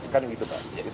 kan begitu pak